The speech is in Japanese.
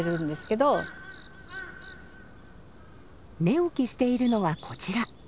寝起きしているのはこちら。